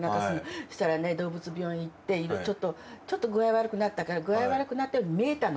そうしたらね、動物病院行って、ちょっと具合悪くなったから、具合悪くなったように見えたの。